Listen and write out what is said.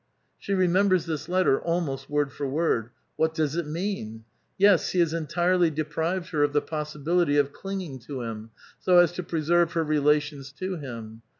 " She remembers this letter almost word for word. What does it mean? Yes, he has entirely deprived her of the ix>s sibility of clinging to him, so as to preserve her relations to him.